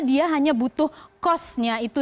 dia hanya butuh kosnya itu